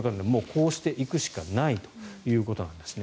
こうしていくしかないということなんですね。